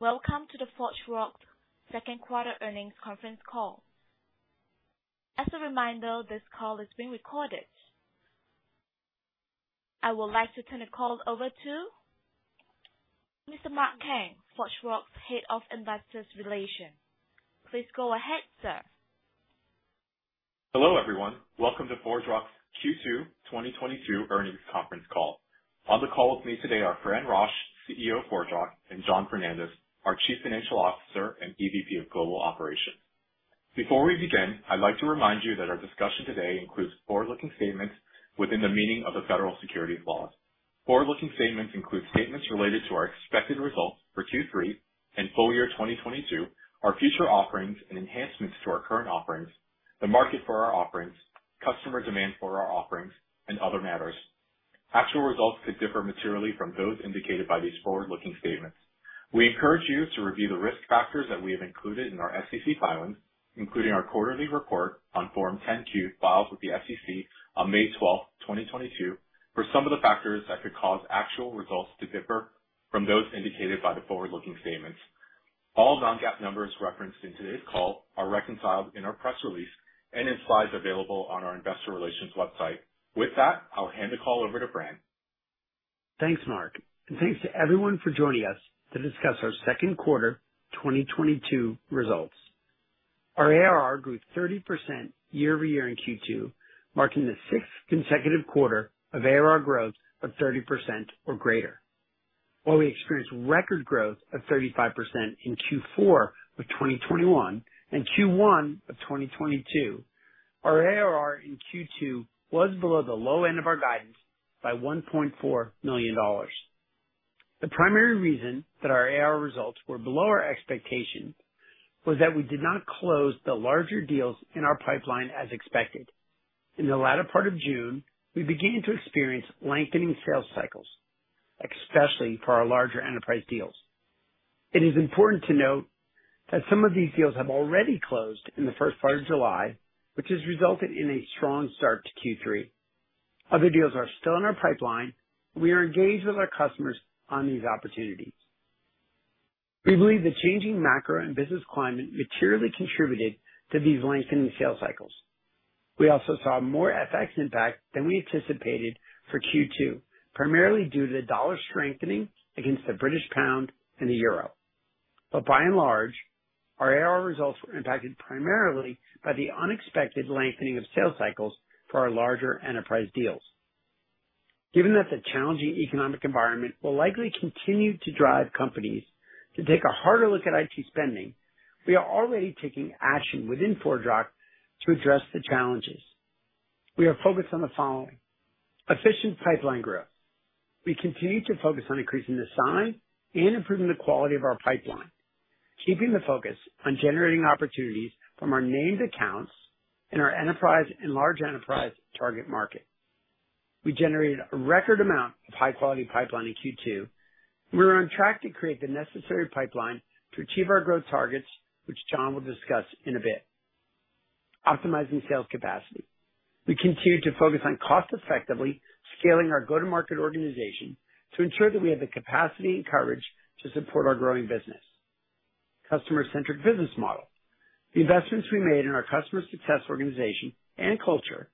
Welcome to the ForgeRock Q2 earnings conference call. As a reminder, this call is being recorded. I would like to turn the call over to Mr. Mark Kang, ForgeRock's Head of Investor Relations. Please go ahead, sir. Hello, everyone. Welcome to ForgeRock's Q2 2022 earnings conference call. On the call with me today are Fran Rosch, CEO of ForgeRock, and John Fernandez, our Chief Financial Officer and EVP of Global Operations. Before we begin, I'd like to remind you that our discussion today includes forward-looking statements within the meaning of the federal securities laws. Forward-looking statements include statements related to our expected results for Q3 and full year 2022, our future offerings and enhancements to our current offerings, the market for our offerings, customer demand for our offerings, and other matters. Actual results could differ materially from those indicated by these forward-looking statements. We encourage you to review the risk factors that we have included in our SEC filings, including our quarterly report on Form 10-Q filed with the SEC on May 12th, 2022, for some of the factors that could cause actual results to differ from those indicated by the forward-looking statements. All non-GAAP numbers referenced in today's call are reconciled in our press release and in slides available on our investor relations website. With that, I'll hand the call over to Fran. Thanks, Mark, and thanks to everyone for joining us to discuss our Q2 2022 results. Our ARR grew 30% year-over-year in Q2, marking the sixth consecutive quarter of ARR growth of 30% or greater. While we experienced record growth of 35% in Q4 of 2021 and Q1 of 2022, our ARR in Q2 was below the low end of our guidance by $1.4 million. The primary reason that our ARR results were below our expectations was that we did not close the larger deals in our pipeline as expected. In the latter part of June, we began to experience lengthening sales cycles, especially for our larger enterprise deals. It is important to note that some of these deals have already closed in the first part of July, which has resulted in a strong start to Q3. Other deals are still in our pipeline, and we are engaged with our customers on these opportunities. We believe the changing macro and business climate materially contributed to these lengthening sales cycles. We also saw more FX impact than we anticipated for Q2, primarily due to the dollar strengthening against the British pound and the euro. By and large, our ARR results were impacted primarily by the unexpected lengthening of sales cycles for our larger enterprise deals. Given that the challenging economic environment will likely continue to drive companies to take a harder look at IT spending, we are already taking action within ForgeRock to address the challenges. We are focused on the following. Efficient pipeline growth. We continue to focus on increasing the size and improving the quality of our pipeline, keeping the focus on generating opportunities from our named accounts in our enterprise and large enterprise target market. We generated a record amount of high-quality pipeline in Q2. We are on track to create the necessary pipeline to achieve our growth targets, which John will discuss in a bit. Optimizing sales capacity. We continue to focus on cost-effectively scaling our go-to-market organization to ensure that we have the capacity and coverage to support our growing business. Customer-centric business model. The investments we made in our customer success organization and culture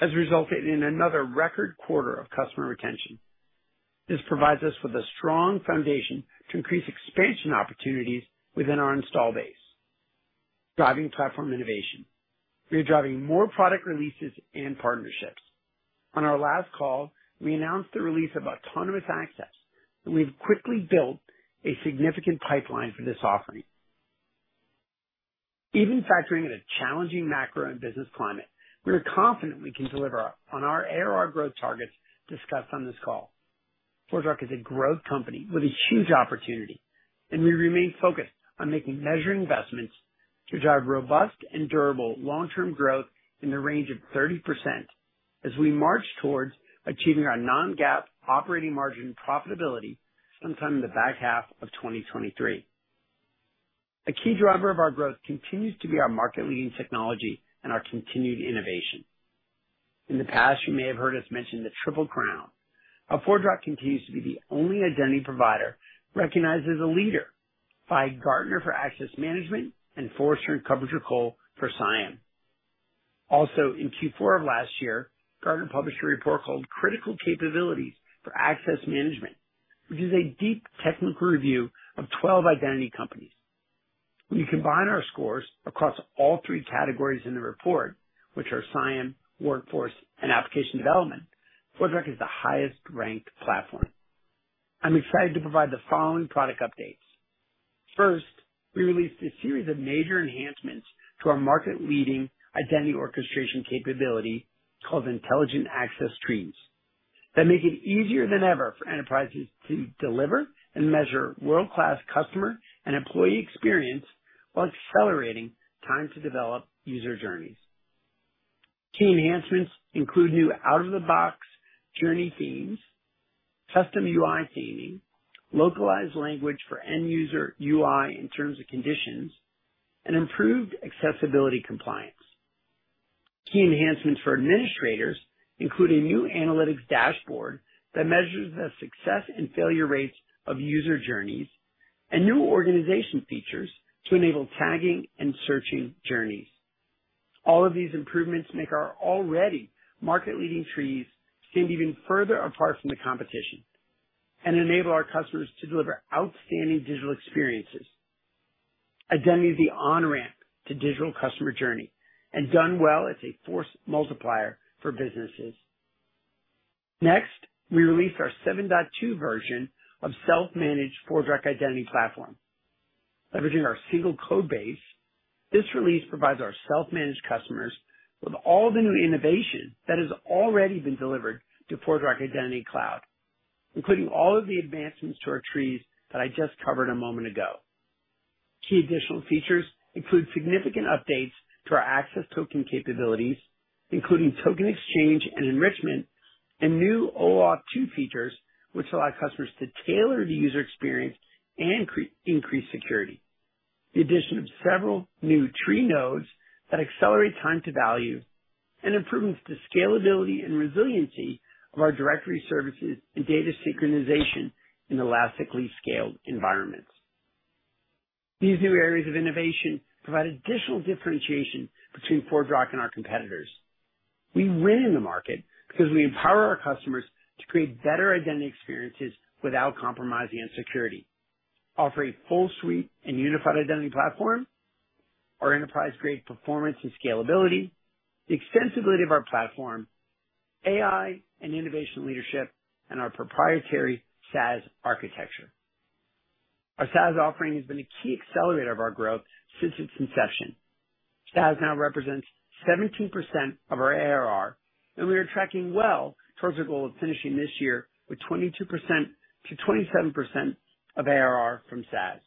has resulted in another record quarter of customer retention. This provides us with a strong foundation to increase expansion opportunities within our installed base. Driving platform innovation. We are driving more product releases and partnerships. On our last call, we announced the release of Autonomous Access, and we've quickly built a significant pipeline for this offering. Even factoring in a challenging macro and business climate, we are confident we can deliver on our ARR growth targets discussed on this call. ForgeRock is a growth company with a huge opportunity, and we remain focused on making measured investments to drive robust and durable long-term growth in the range of 30% as we march towards achieving our non-GAAP operating margin profitability sometime in the back half of 2023. A key driver of our growth continues to be our market leading technology and our continued innovation. In the past, you may have heard us mention the Triple Crown, how ForgeRock continues to be the only identity provider recognized as a leader by Gartner for access management and Forrester and KuppingerCole for CIAM. In Q4 of last year, Gartner published a report called Critical Capabilities for Access Management, which is a deep technical review of 12 identity companies. When you combine our scores across all three categories in the report, which are CIAM, Workforce, and Application Development, ForgeRock is the highest-ranked platform. I'm excited to provide the following product updates. First, we released a series of major enhancements to our market-leading identity orchestration capability called Intelligent Access Trees that make it easier than ever for enterprises to deliver and measure world-class customer and employee experience while accelerating time to develop user journeys. Key enhancements include new out-of-the-box journey themes, custom UI theming, localized language for end user UI in terms and conditions, and improved accessibility compliance. Key enhancements for administrators include a new analytics dashboard that measures the success and failure rates of user journeys, and new organization features to enable tagging and searching journeys. All of these improvements make our already market-leading trees stand even further apart from the competition, and enable our customers to deliver outstanding digital experiences. Identity is the on-ramp to digital customer journey, and done well, it's a force multiplier for businesses. Next, we released our 7.2 version of self-managed ForgeRock Identity Platform. Leveraging our single code base, this release provides our self-managed customers with all the new innovation that has already been delivered to ForgeRock Identity Cloud, including all of the advancements to our trees that I just covered a moment ago. Key additional features include significant updates to our access token capabilities, including token exchange and enrichment, and new OAuth 2.0 features which allow customers to tailor the user experience and increase security. The addition of several new tree nodes that accelerate time to value and improvements to scalability and resiliency of our directory services and data synchronization in elastically scaled environments. These new areas of innovation provide additional differentiation between ForgeRock and our competitors. We win in the market because we empower our customers to create better identity experiences without compromising on security. Offering full suite and unified identity platform, our enterprise-grade performance and scalability, the extensibility of our platform, AI and innovation leadership, and our proprietary SaaS architecture. Our SaaS offering has been a key accelerator of our growth since its inception. SaaS now represents 17% of our ARR, and we are tracking well towards our goal of finishing this year with 22%-27% of ARR from SaaS.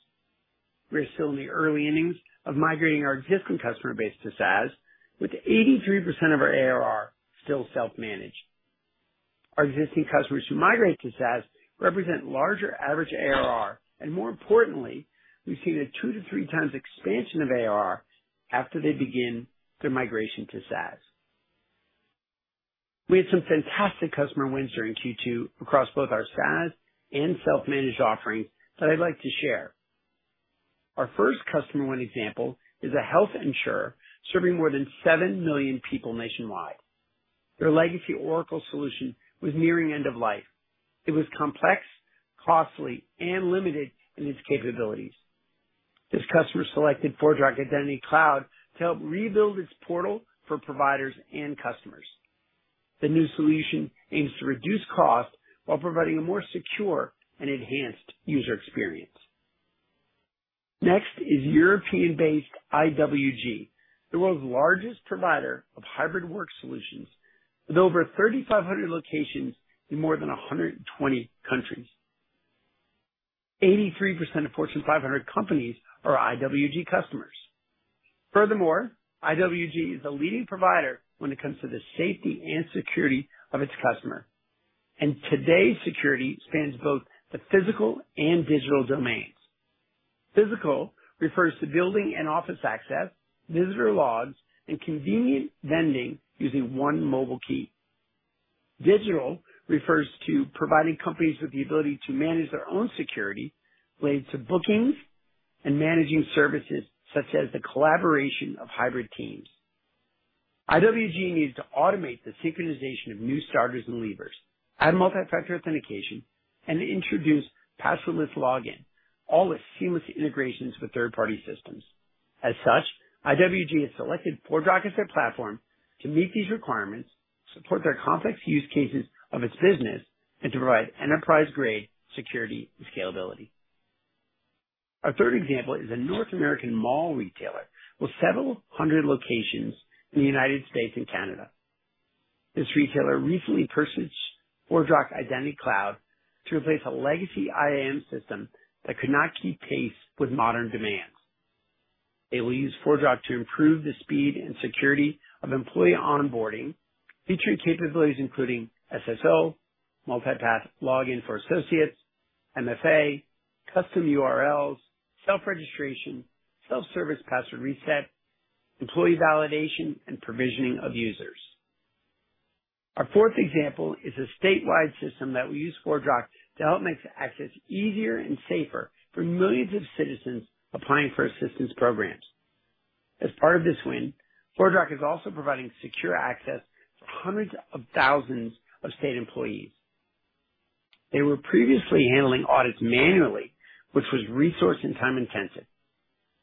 We are still in the early innings of migrating our existing customer base to SaaS, with 83% of our ARR still self-managed. Our existing customers who migrate to SaaS represent larger average ARR, and more importantly, we've seen a two to three times expansion of ARR after they begin their migration to SaaS. We had some fantastic customer wins during Q2 across both our SaaS and self-managed offerings that I'd like to share. Our first customer win example is a health insurer serving more than 7 million people nationwide. Their legacy Oracle solution was nearing end of life. It was complex, costly, and limited in its capabilities. This customer selected ForgeRock Identity Cloud to help rebuild its portal for providers and customers. The new solution aims to reduce cost while providing a more secure and enhanced user experience. Next is European-based IWG, the world's largest provider of hybrid work solutions, with over 3,500 locations in more than 120 countries. 83% of Fortune 500 companies are IWG customers. Furthermore, IWG is a leading provider when it comes to the safety and security of its customer. Today's security spans both the physical and digital domains. Physical refers to building and office access, visitor logs, and convenient vending using one mobile key. Digital refers to providing companies with the ability to manage their own security related to bookings and managing services such as the collaboration of hybrid teams. IWG needs to automate the synchronization of new starters and leavers, add multi-factor authentication, and introduce passwordless login, all with seamless integrations with third-party systems. IWG has selected ForgeRock as their platform to meet these requirements, support their complex use cases of its business, and to provide enterprise-grade security and scalability. Our third example is a North American mall retailer with several hundred locations in the United States and Canada. This retailer recently purchased ForgeRock Identity Cloud to replace a legacy IAM system that could not keep pace with modern demands. They will use ForgeRock to improve the speed and security of employee onboarding, featuring capabilities including SSO, multi-path login for associates, MFA, custom URLs, self-registration, self-service password reset, employee validation, and provisioning of users. Our fourth example is a statewide system that will use ForgeRock to help make access easier and safer for millions of citizens applying for assistance programs. As part of this win, ForgeRock is also providing secure access to hundreds of thousands of state employees. They were previously handling audits manually, which was resource and time intensive.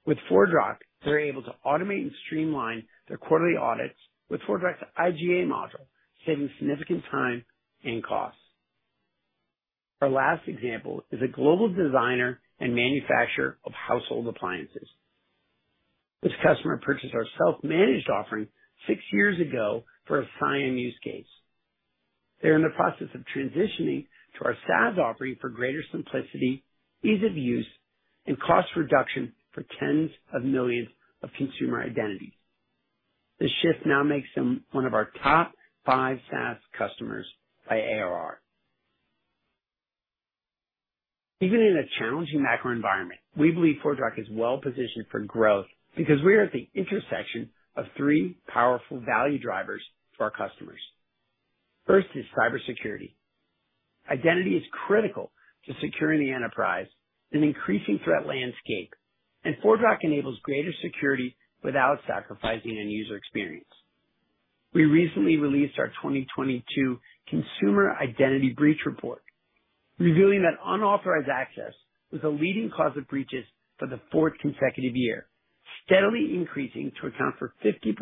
With ForgeRock, they're able to automate and streamline their quarterly audits with ForgeRock's IGA module, saving significant time and costs. Our last example is a global designer and manufacturer of household appliances. This customer purchased our self-managed offering six years ago for a sign-in use case. They're in the process of transitioning to our SaaS offering for greater simplicity, ease of use, and cost reduction for tens of millions of consumer identities. This shift now makes them one of our top five SaaS customers by ARR. Even in a challenging macro environment, we believe ForgeRock is well-positioned for growth because we are at the intersection of three powerful value drivers for our customers. First is cybersecurity. Identity is critical to securing the enterprise in an increasing threat landscape, and ForgeRock enables greater security without sacrificing end user experience. We recently released our 2022 Consumer Identity Breach Report, revealing that unauthorized access was a leading cause of breaches for the fourth consecutive year, steadily increasing to account for 50%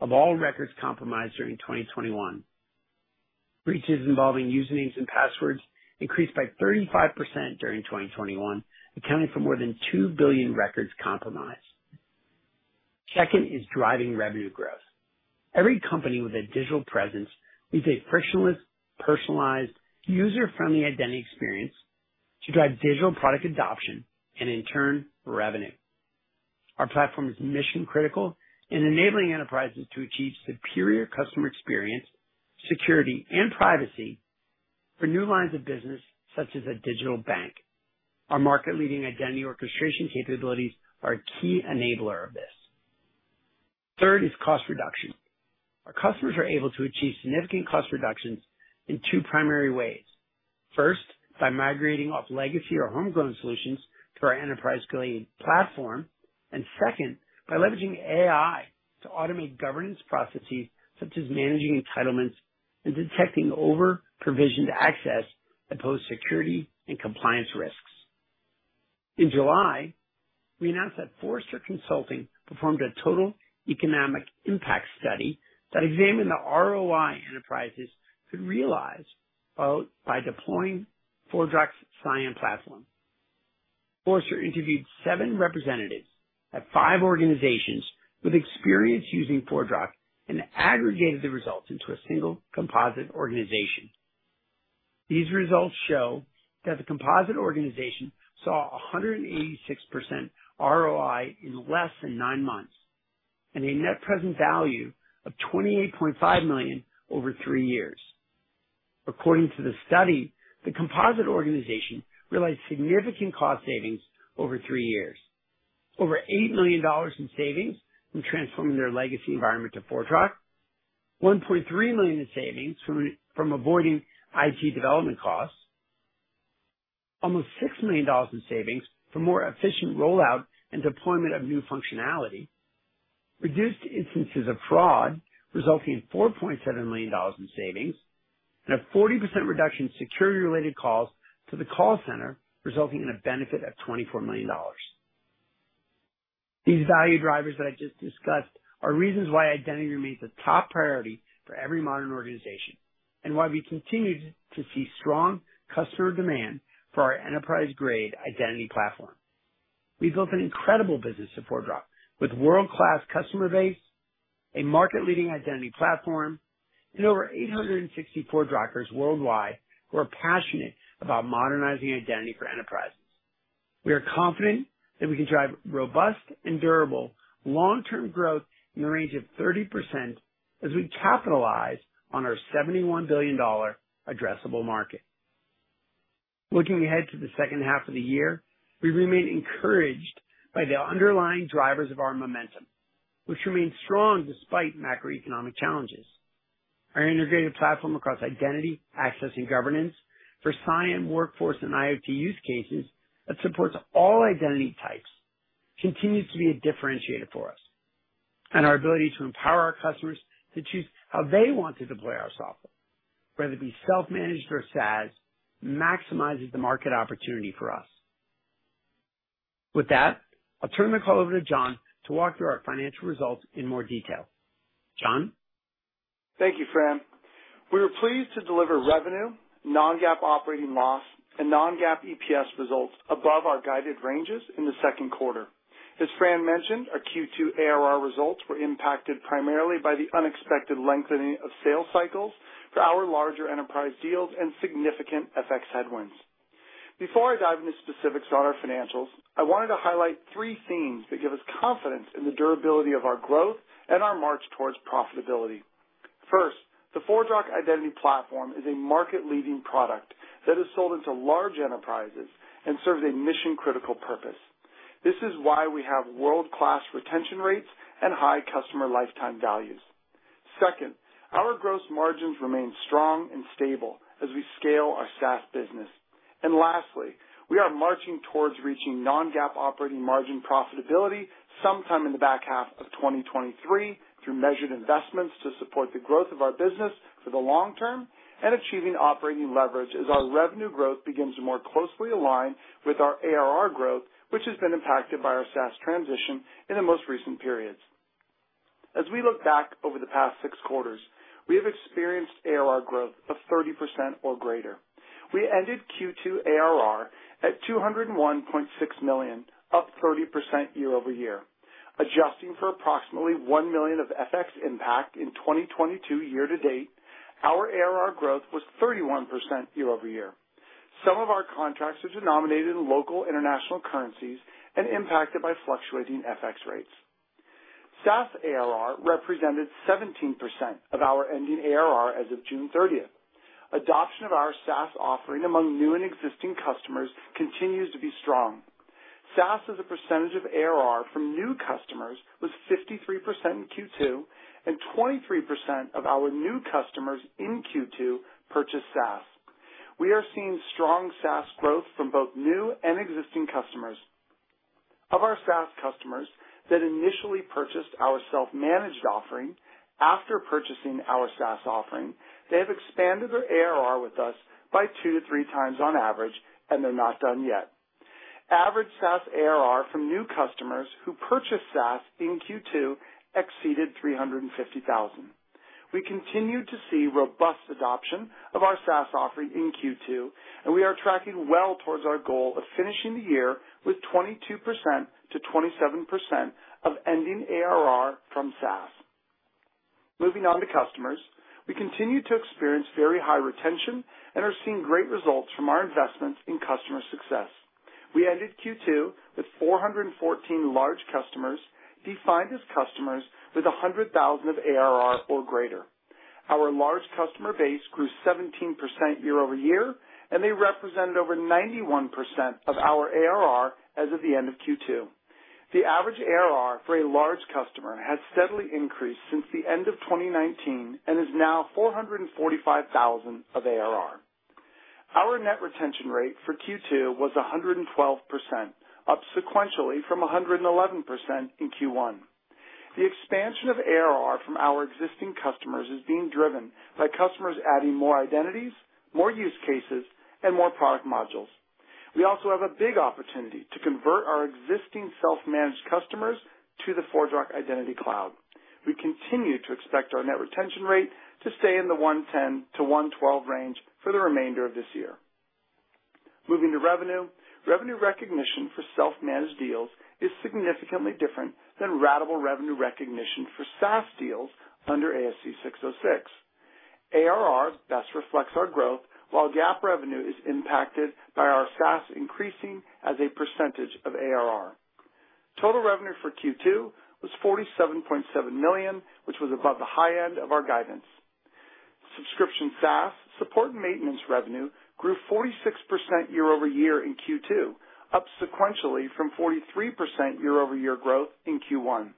of all records compromised during 2021. Breaches involving usernames and passwords increased by 35% during 2021, accounting for more than 2 billion records compromised. Second is driving revenue growth. Every company with a digital presence needs a frictionless, personalized, user-friendly identity experience to drive digital product adoption and in turn, revenue. Our platform is mission critical in enabling enterprises to achieve superior customer experience, security and privacy for new lines of business, such as a digital bank. Our market-leading identity orchestration capabilities are a key enabler of this. Third is cost reduction. Our customers are able to achieve significant cost reductions in two primary ways. First, by migrating off legacy or homegrown solutions to our enterprise-grade platform. Second, by leveraging AI to automate governance processes such as managing entitlements and detecting over-provisioned access that pose security and compliance risks. In July, we announced that Forrester Consulting performed a Total Economic Impact study that examined the ROI enterprises could realize by deploying ForgeRock CIAM platform. Forrester interviewed seven representatives at five organizations with experience using ForgeRock and aggregated the results into a single composite organization. These results show that the composite organization saw 186% ROI in less than nine months, and a net present value of $28.5 million over three years. According to the study, the composite organization realized significant cost savings over three years. Over $80 million in savings from transforming their legacy environment to ForgeRock. 1.3 million in savings from avoiding IT development costs. Almost $6 million in savings for more efficient rollout and deployment of new functionality. Reduced instances of fraud, resulting in $4.7 million in savings. A 40% reduction in security-related calls to the call center, resulting in a benefit of $24 million. These value drivers that I just discussed are reasons why identity remains a top priority for every modern organization, and why we continue to see strong customer demand for our enterprise-grade identity platform. We've built an incredible business at ForgeRock with world-class customer base, a market-leading identity platform, and over 860 ForgeRockers worldwide who are passionate about modernizing identity for enterprises. We are confident that we can drive robust and durable long-term growth in the range of 30% as we capitalize on our $71 billion addressable market. Looking ahead to the second half of the year, we remain encouraged by the underlying drivers of our momentum, which remain strong despite macroeconomic challenges. Our integrated platform across identity, access and governance for CIAM, workforce, and IoT use cases that supports all identity types continues to be a differentiator for us. Our ability to empower our customers to choose how they want to deploy our software, whether it be self-managed or SaaS, maximizes the market opportunity for us. With that, I'll turn the call over to John to walk through our financial results in more detail. John? Thank you, Fran. We were pleased to deliver revenue, non-GAAP operating loss, and non-GAAP EPS results above our guided ranges in the Q2. As Fran mentioned, our Q2 ARR results were impacted primarily by the unexpected lengthening of sales cycles for our larger enterprise deals and significant FX headwinds. Before I dive into specifics on our financials, I wanted to highlight three themes that give us confidence in the durability of our growth and our march towards profitability. First, the ForgeRock identity platform is a market-leading product that is sold into large enterprises and serves a mission-critical purpose. This is why we have world-class retention rates and high customer lifetime values. Second, our gross margins remain strong and stable as we scale our SaaS business. Lastly, we are marching towards reaching non-GAAP operating margin profitability sometime in the back half of 2023 through measured investments to support the growth of our business for the long term, and achieving operating leverage as our revenue growth begins to more closely align with our ARR growth, which has been impacted by our SaaS transition in the most recent periods. We look back over the past six quarters, we have experienced ARR growth of 30% or greater. We ended Q2 ARR at $201.6 million, up 30% year-over-year. Adjusting for approximately $1 million of FX impact in 2022 year to date, our ARR growth was 31% year-over-year. Some of our contracts are denominated in local international currencies and impacted by fluctuating FX rates. SaaS ARR represented 17% of our ending ARR as of June 30. Adoption of our SaaS offering among new and existing customers continues to be strong. SaaS as a percentage of ARR from new customers was 53% in Q2, and 23% of our new customers in Q2 purchased SaaS. We are seeing strong SaaS growth from both new and existing customers. Of our SaaS customers that initially purchased our self-managed offering after purchasing our SaaS offering, they have expanded their ARR with us by two to three times on average, and they're not done yet. Average SaaS ARR from new customers who purchased SaaS in Q2 exceeded $350,000. We continue to see robust adoption of our SaaS offering in Q2, and we are tracking well towards our goal of finishing the year with 22%-27% of ending ARR from SaaS. Moving on to customers. We continue to experience very high retention and are seeing great results from our investments in customer success. We ended Q2 with 414 large customers defined as customers with $100,000 of ARR or greater. Our large customer base grew 17% year-over-year, and they represented over 91% of our ARR as of the end of Q2. The average ARR for a large customer has steadily increased since the end of 2019 and is now $445,000 of ARR. Our net retention rate for Q2 was 112%, up sequentially from 111% in Q1. The expansion of ARR from our existing customers is being driven by customers adding more identities, more use cases, and more product modules. We also have a big opportunity to convert our existing self-managed customers to the ForgeRock Identity Cloud. We continue to expect our net retention rate to stay in the 110-112 range for the remainder of this year. Moving to revenue. Revenue recognition for self-managed deals is significantly different than ratable revenue recognition for SaaS deals under ASC 606. ARR best reflects our growth, while GAAP revenue is impacted by our SaaS increasing as a percentage of ARR. Total revenue for Q2 was $47.7 million, which was above the high end of our guidance. Subscription SaaS support and maintenance revenue grew 46% year-over-year in Q2, up sequentially from 43% year-over-year growth in Q1.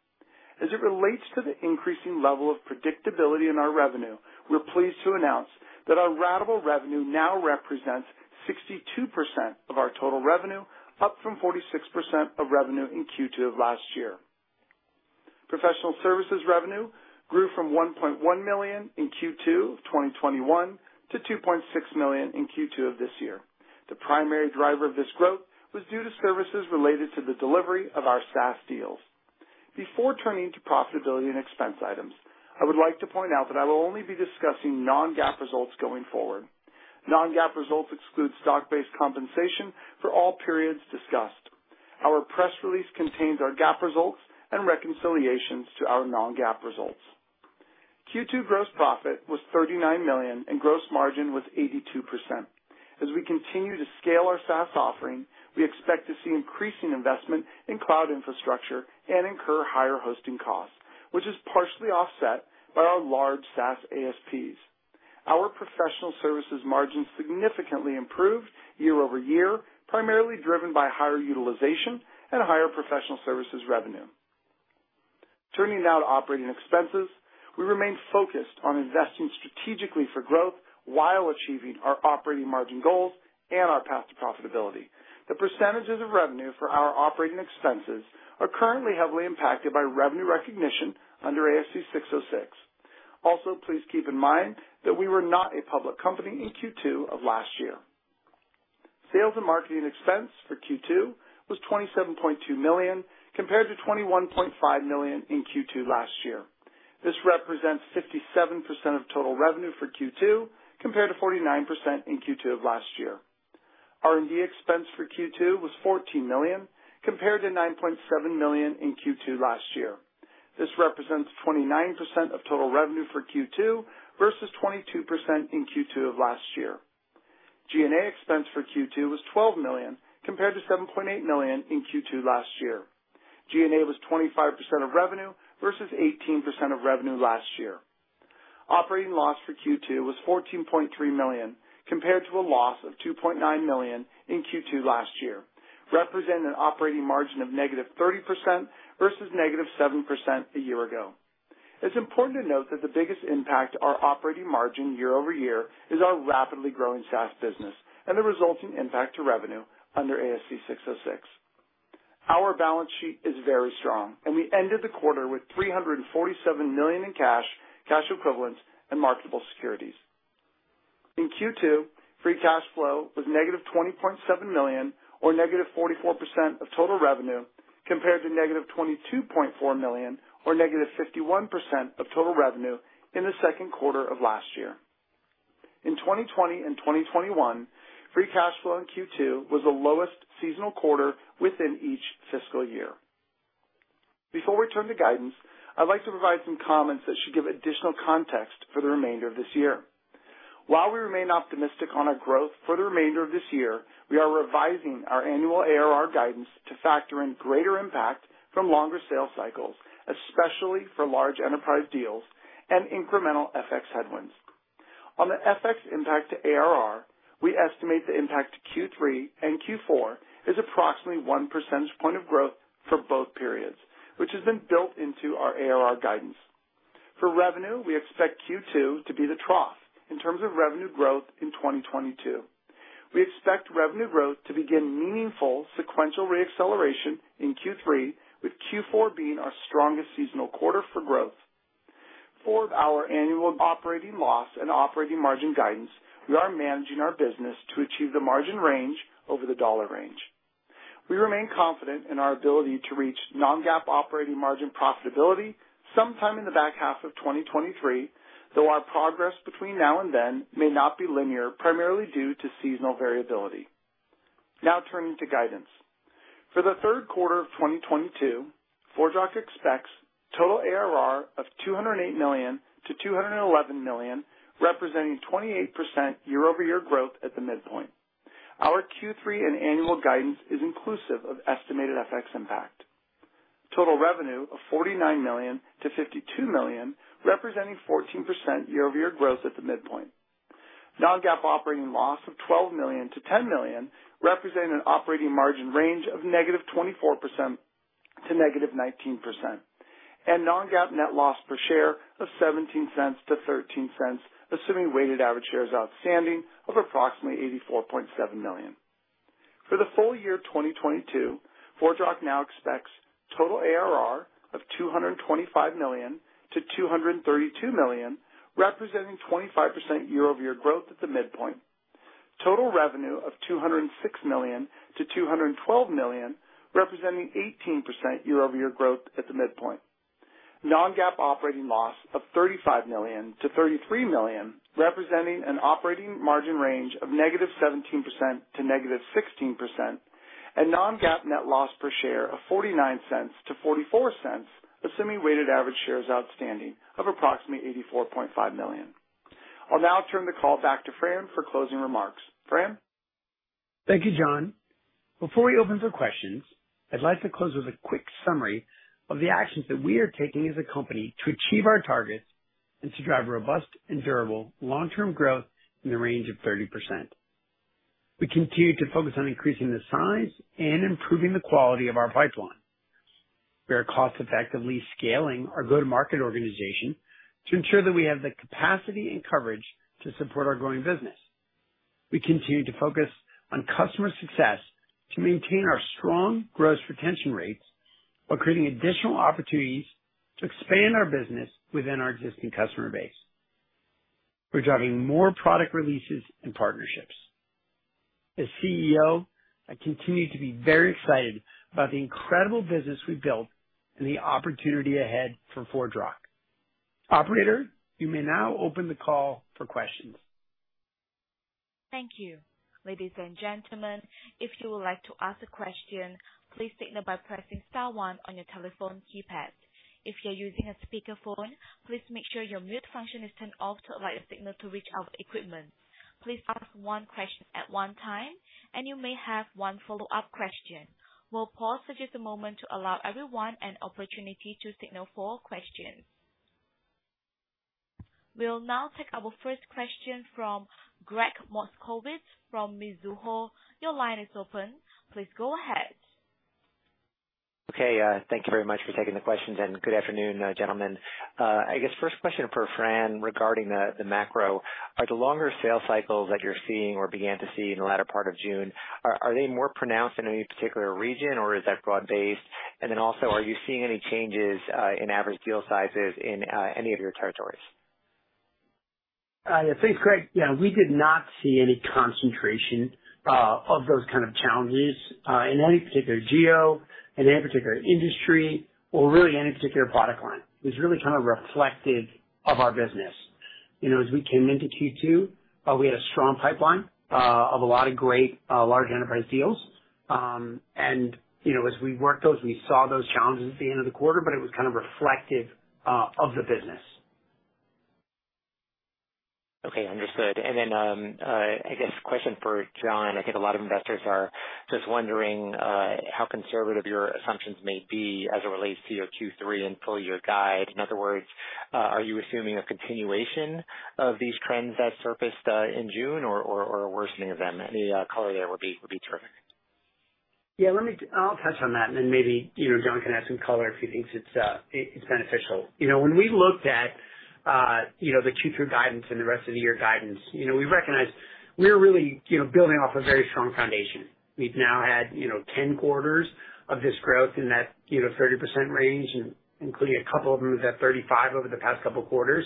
As it relates to the increasing level of predictability in our revenue, we're pleased to announce that our ratable revenue now represents 62% of our total revenue, up from 46% of revenue in Q2 of last year. Professional services revenue grew from $1.1 million in Q2 of 2021 to $2.6 million in Q2 of this year. The primary driver of this growth was due to services related to the delivery of our SaaS deals. Before turning to profitability and expense items, I would like to point out that I will only be discussing non-GAAP results going forward. Non-GAAP results exclude stock-based compensation for all periods discussed. Our press release contains our GAAP results and reconciliations to our non-GAAP results. Q2 gross profit was $39 million, and gross margin was 82%. As we continue to scale our SaaS offering, we expect to see increasing investment in cloud infrastructure and incur higher hosting costs, which is partially offset by our large SaaS ASPs. Our professional services margin significantly improved year-over-year, primarily driven by higher utilization and higher professional services revenue. Turning now to operating expenses. We remain focused on investing strategically for growth while achieving our operating margin goals and our path to profitability. The percentages of revenue for our operating expenses are currently heavily impacted by revenue recognition under ASC 606. Also, please keep in mind that we were not a public company in Q2 of last year. Sales and marketing expense for Q2 was $27.2 million, compared to $21.5 million in Q2 last year. This represents 57% of total revenue for Q2, compared to 49% in Q2 of last year. R&D expense for Q2 was $14 million, compared to $9.7 million in Q2 last year. This represents 29% of total revenue for Q2 versus 22% in Q2 of last year. G&A expense for Q2 was $12 million, compared to $7.8 million in Q2 last year. G&A was 25% of revenue versus 18% of revenue last year. Operating loss for Q2 was $14.3 million, compared to a loss of $2.9 million in Q2 last year, representing an operating margin of negative 30% versus negative 7% a year ago. It's important to note that the biggest impact to our operating margin year-over-year is our rapidly growing SaaS business and the resulting impact to revenue under ASC 606. Our balance sheet is very strong, and we ended the quarter with $347 million in cash equivalents, and marketable securities. In Q2, free cash flow was negative $20.7 million or negative 44% of total revenue, compared to negative $22.4 million or negative 51% of total revenue in the Q2 of last year. In 2020 and 2021, free cash flow in Q2 was the lowest seasonal quarter within each fiscal year. Before we turn to guidance, I'd like to provide some comments that should give additional context for the remainder of this year. While we remain optimistic on our growth for the remainder of this year, we are revising our annual ARR guidance to factor in greater impact from longer sales cycles, especially for large enterprise deals and incremental FX headwinds. On the FX impact to ARR, we estimate the impact to Q3 and Q4 is approximately 1% point of growth for both periods, which has been built into our ARR guidance. For revenue, we expect Q2 to be the trough in terms of revenue growth in 2022. We expect revenue growth to begin meaningful sequential re-acceleration in Q3, with Q4 being our strongest seasonal quarter for growth. For our annual operating loss and operating margin guidance, we are managing our business to achieve the margin range over the dollar range. We remain confident in our ability to reach non-GAAP operating margin profitability sometime in the back half of 2023, though our progress between now and then may not be linear, primarily due to seasonal variability. Now turning to guidance. For the Q3 of 2022, ForgeRock expects total ARR of $208 million-$211 million, representing 28% year-over-year growth at the midpoint. Our Q3 and annual guidance is inclusive of estimated FX impact. Total revenue of $49 million-$52 million, representing 14% year-over-year growth at the midpoint. Non-GAAP operating loss of $12 million-$10 million, representing an operating margin range of -24% to -19%. Non-GAAP net loss per share of $0.17-$0.13, assuming weighted average shares outstanding of approximately 84.7 million. For the full year 2022, ForgeRock now expects total ARR of $225 million-$232 million, representing 25% year-over-year growth at the midpoint. Total revenue of $206 million-$212 million, representing 18% year-over-year growth at the midpoint. Non-GAAP operating loss of $35 million-$33 million, representing an operating margin range of -17% to -16%. Non-GAAP net loss per share of 49 cents to 44 cents, assuming weighted average shares outstanding of approximately 84.5 million. I'll now turn the call back to Fran for closing remarks. Fran? Thank you, John. Before we open for questions, I'd like to close with a quick summary of the actions that we are taking as a company to achieve our targets and to drive robust and durable long-term growth in the range of 30%. We continue to focus on increasing the size and improving the quality of our pipeline. We are cost effectively scaling our go-to-market organization to ensure that we have the capacity and coverage to support our growing business. We continue to focus on customer success to maintain our strong gross retention rates while creating additional opportunities to expand our business within our existing customer base. We're driving more product releases and partnerships. As CEO, I continue to be very excited about the incredible business we built and the opportunity ahead for ForgeRock. Operator, you may now open the call for questions. Thank you. Ladies and gentlemen, if you would like to ask a question, please signal by pressing star one on your telephone keypad. If you're using a speakerphone, please make sure your mute function is turned off to allow your signal to reach our equipment. Please ask one question at one time, and you may have one follow-up question. We'll pause for just a moment to allow everyone an opportunity to signal for questions. We'll now take our first question from Gregg Moskowitz from Mizuho. Your line is open. Please go ahead. Okay, thank you very much for taking the questions and good afternoon, gentlemen. I guess first question for Fran regarding the macro. Are the longer sales cycles that you're seeing or began to see in the latter part of June more pronounced in any particular region or is that broad-based? And then also, are you seeing any changes in average deal sizes in any of your territories? Yeah, thanks, Gregg. Yeah, we did not see any concentration of those kind of challenges in any particular geo, in any particular industry, or really any particular product line. It was really kind of reflective of our business. You know, as we came into Q2, we had a strong pipeline of a lot of great large enterprise deals. You know, as we worked those, we saw those challenges at the end of the quarter, but it was kind of reflective of the business. Okay, understood. I guess question for John. I think a lot of investors are just wondering how conservative your assumptions may be as it relates to your Q3 and full year guide. In other words, are you assuming a continuation of these trends that surfaced in June or a worsening of them? Any color there would be terrific. Let me touch on that, and then maybe, you know, John can add some color if he thinks it's beneficial. You know, when we looked at, you know, the Q2 guidance and the rest of the year guidance, you know, we recognized we are really, you know, building off a very strong foundation. We've now had, you know, 10 quarters of this growth in that, you know, 30% range, including a couple of them at 35% over the past couple quarters.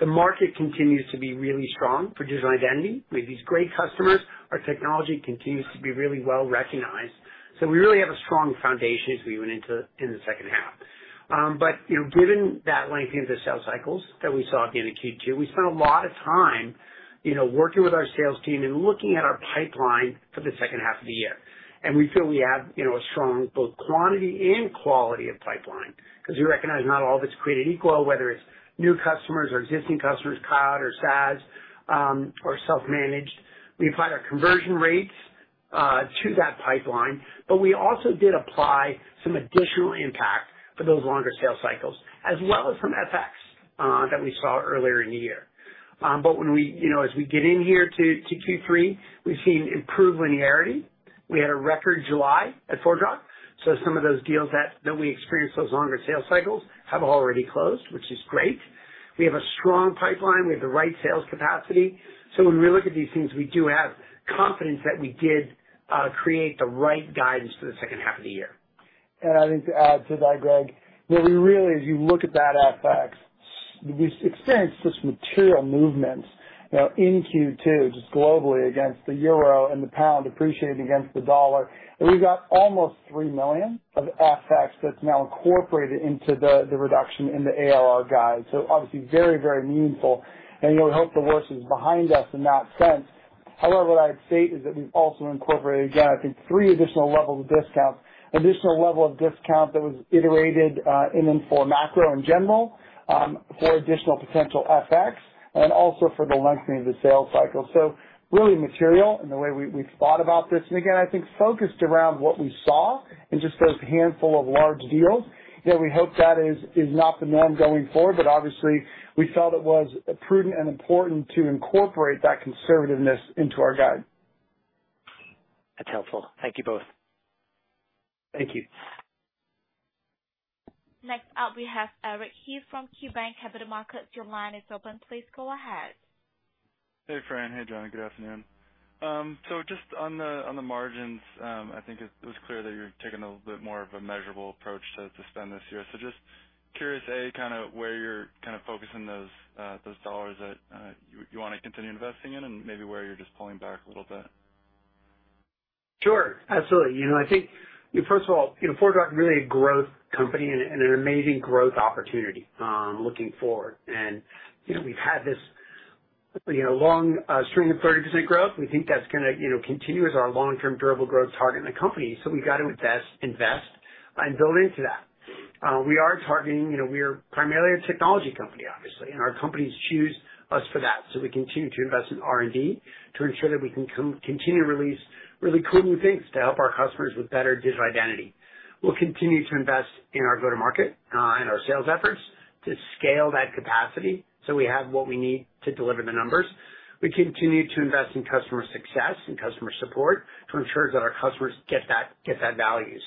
The market continues to be really strong for digital identity. We have these great customers. Our technology continues to be really well recognized. So we really have a strong foundation as we went into the second half. Given that lengthening of the sales cycles that we saw at the end of Q2, we spent a lot of time, you know, working with our sales team and looking at our pipeline for the second half of the year. We feel we have, you know, a strong both quantity and quality of pipeline because we recognize not all of it's created equal, whether it's new customers or existing customers, cloud or SaaS, or self-managed. We applied our conversion rates to that pipeline. We also did apply some additional impact for those longer sales cycles, as well as from FX, that we saw earlier in the year. When we, you know, as we get in here to Q3, we've seen improved linearity. We had a record July at ForgeRock. Some of those deals that we experienced, those longer sales cycles, have already closed, which is great. We have a strong pipeline. We have the right sales capacity. When we look at these things, we do have confidence that we did create the right guidance for the second half of the year. I think to add to that, Greg, you know, we really, as you look at that FX, we've experienced such material movements, you know, in Q2 just globally against the euro and the pound appreciating against the dollar. We've got almost $3 million of FX that's now incorporated into the reduction in the ARR guide. So obviously very, very meaningful. You know, we hope the worst is behind us in that sense. However, what I'd state is that we've also incorporated, again, I think three additional levels of discount that was iterated in and for macro in general, for additional potential FX and also for the lengthening of the sales cycle. Really material in the way we thought about this, and again, I think focused around what we saw in just those handful of large deals. You know, we hope that is not the norm going forward, but obviously we felt it was prudent and important to incorporate that conservativeness into our guide. That's helpful. Thank you both. Thank you. Next up, we have Eric Heath from KeyBanc Capital Markets. Your line is open. Please go ahead. Hey, Fran. Hey, John. Good afternoon. Just on the margins, I think it was clear that you're taking a little bit more of a measurable approach to spend this year. Just curious, akind of where you're kind of focusing those dollars that you wanna continue investing in and maybe where you're just pulling back a little bit. Sure. Absolutely. You know, I think, you know, first of all, you know, ForgeRock really a growth company and an amazing growth opportunity looking forward. You know, we've had this, you know, long string of 30% growth. We think that's gonna, you know, continue as our long-term durable growth target in the company. We've got to invest and build into that. We are targeting, you know, we are primarily a technology company, obviously, and our companies choose us for that. We continue to invest in R&D to ensure that we can continue to release really cool new things to help our customers with better digital identity. We'll continue to invest in our go-to-market and our sales efforts to scale that capacity so we have what we need to deliver the numbers. We continue to invest in customer success and customer support to ensure that our customers get that value.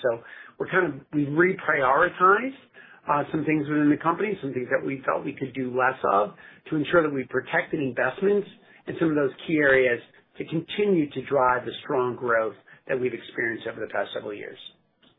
We've reprioritized some things within the company, some things that we felt we could do less of to ensure that we protected investments in some of those key areas to continue to drive the strong growth that we've experienced over the past several years.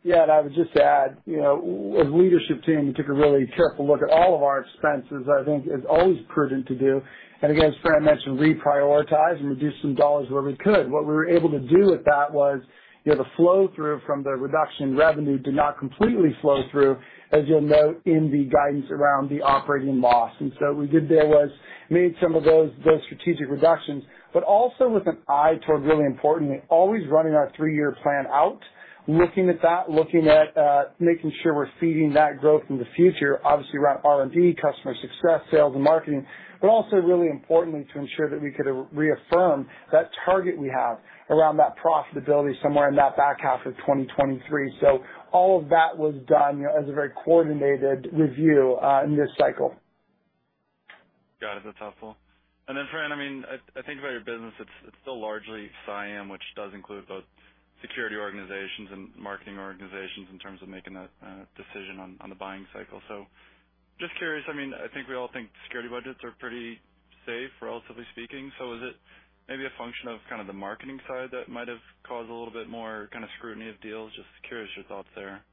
Yeah, I would just add, you know, as leadership team, we took a really careful look at all of our expenses. I think it's always prudent to do, and again, as Fran mentioned, reprioritize and reduce some dollars where we could. What we were able to do with that was, you know, the flow through from the reduction in revenue did not completely flow through, as you'll note in the guidance around the operating loss. What we did there was made some of those strategic reductions, but also with an eye toward really importantly, always running our three-year plan out, looking at that, making sure we're feeding that growth in the future, obviously around R&D, customer success, sales and marketing, but also really importantly to ensure that we could reaffirm that target we have around that profitability somewhere in that back half of 2023. All of that was done, you know, as a very coordinated review in this cycle. Got it. That's helpful. Fran, I mean, I think about your business, it's still largely CIAM, which does include both security organizations and marketing organizations in terms of making that decision on the buying cycle. Just curious, I mean, I think we all think security budgets are pretty safe, relatively speaking. Is it maybe a function of kind of the marketing side that might have caused a little bit more kind of scrutiny of deals? Just curious, your thoughts there.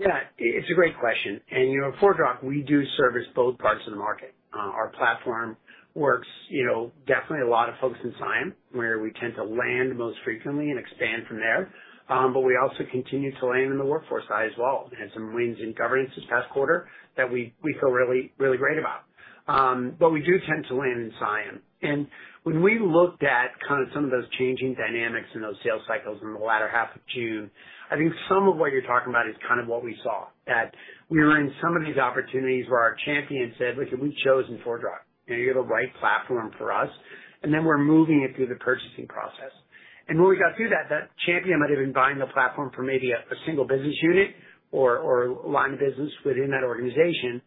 Yeah, it's a great question. You know, at ForgeRock we do service both parts of the market. Our platform works, you know, definitely a lot of folks in CIAM where we tend to land most frequently and expand from there. But we also continue to land in the workforce side as well. We had some wins in governance this past quarter that we feel really great about. But we do tend to land in CIAM. When we looked at kind of some of those changing dynamics in those sales cycles in the latter half of June, I think some of what you're talking about is kind of what we saw, that we were in some of these opportunities where our champion said, "Look, we've chosen ForgeRock. You know, you have the right platform for us," and then we're moving it through the purchasing process. When we got through that champion might have been buying the platform for maybe a single business unit or a line of business within that organization.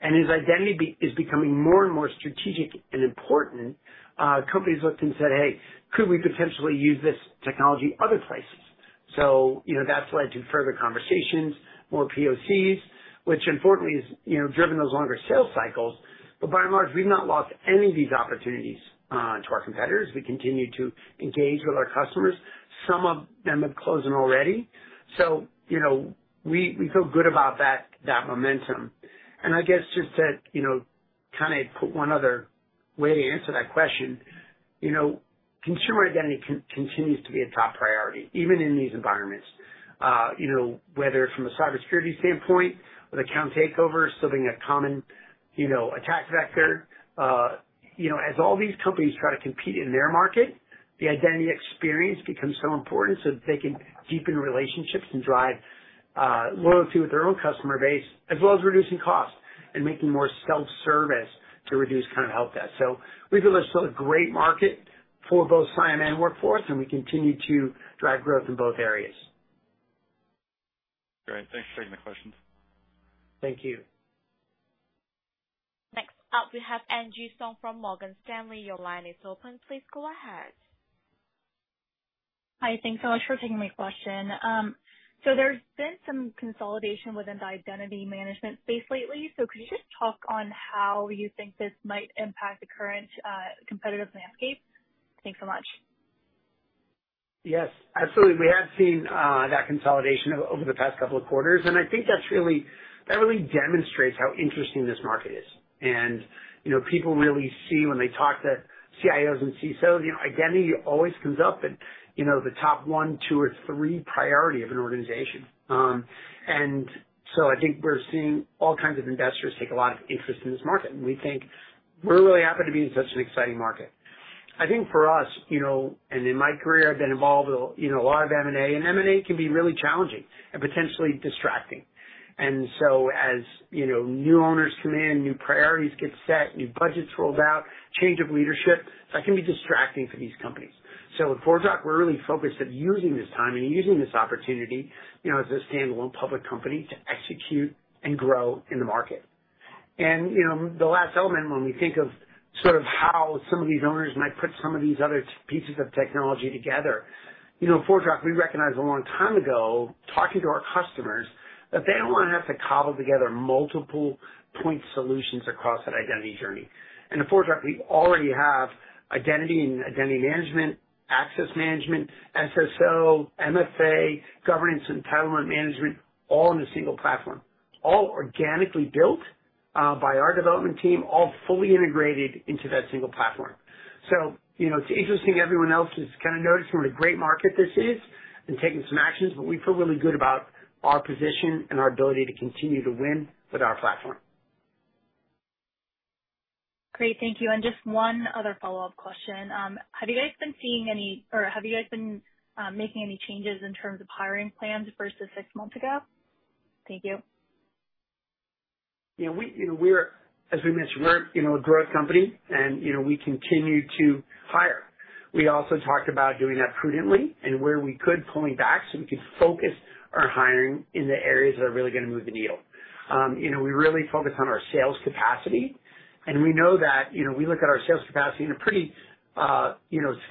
As identity is becoming more and more strategic and important, companies looked and said, "Hey, could we potentially use this technology other places?" You know, that's led to further conversations, more POCs, which importantly has, you know, driven those longer sales cycles. By and large, we've not lost any of these opportunities to our competitors. We continue to engage with our customers. Some of them have closed them already. You know, we feel good about that momentum. I guess just to, you know, kind of put one other way to answer that question, you know, consumer identity continues to be a top priority even in these environments. You know, whether it's from a cybersecurity standpoint or the account takeovers, a common, you know, attack vector. You know, as all these companies try to compete in their market, the identity experience becomes so important so that they can deepen relationships and drive loyalty with their own customer base, as well as reducing cost and making more self-service to reduce kind of help desk. We feel there's still a great market for both CIAM and Workforce, and we continue to drive growth in both areas. Great. Thanks for taking the questions. Thank you. Next up, we have Hamza Fodderwala from Morgan Stanley. Your line is open. Please go ahead. Hi. Thanks so much for taking my question. There's been some consolidation within the identity management space lately. Could you just talk on how you think this might impact the current, competitive landscape? Thanks so much. Yes, absolutely. We have seen that consolidation over the past couple of quarters, and I think that's really demonstrates how interesting this market is. You know, people really see when they talk to CIO and CSO, you know, identity always comes up in, you know, the top one, two, or three priority of an organization. I think we're seeing all kinds of investors take a lot of interest in this market, and we think we're really happy to be in such an exciting market. I think for us, you know, and in my career, I've been involved with, you know, a lot of M&A, and M&A can be really challenging and potentially distracting. As, you know, new owners come in, new priorities get set, new budgets rolled out, change of leadership, that can be distracting for these companies. At ForgeRock, we're really focused at using this time and using this opportunity, you know, as a standalone public company to execute and grow in the market. You know, the last element when we think of sort of how some of these owners might put some of these other pieces of technology together, you know, ForgeRock, we recognized a long time ago, talking to our customers, that they don't wanna have to cobble together multiple point solutions across that identity journey. At ForgeRock, we already have identity and identity management, access management, SSO, MFA, governance, entitlement management, all in a single platform, all organically built by our development team, all fully integrated into that single platform. you know, it's interesting everyone else has kind of noticed what a great market this is and taking some actions, but we feel really good about our position and our ability to continue to win with our platform. Great. Thank you. Just one other follow-up question. Have you guys been making any changes in terms of hiring plans versus six months ago? Thank you. You know, as we mentioned, we're a growth company and, you know, we continue to hire. We also talked about doing that prudently, and where we could, pulling back so we could focus our hiring in the areas that are really gonna move the needle. You know, we really focus on our sales capacity, and we know that, you know, we look at our sales capacity in a pretty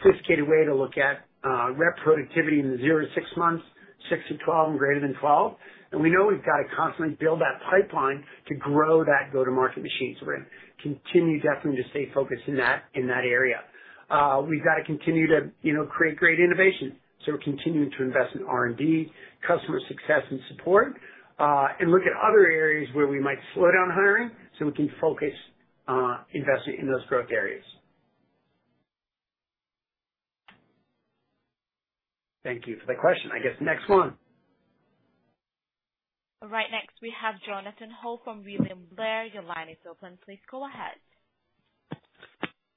sophisticated way to look at rep productivity in the zero to six months, six to 12 months, and greater than 12 months. We know we've got to constantly build that pipeline to grow that go-to-market machine. We're gonna continue definitely to stay focused in that area. We've got to continue to, you know, create great innovation, so we're continuing to invest in R&D, customer success and support, and look at other areas where we might slow down hiring so we can focus investing in those growth areas. Thank you for the question. I guess next one. All right, next we have Jonathan Ho from William Blair. Your line is open. Please go ahead.